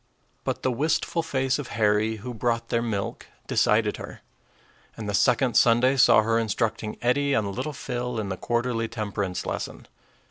But the wistful face of Harry, who brought their milk, decided her; and the second Sunday saw her instructing Eddie and little Phil in the quarterly temperance lesson.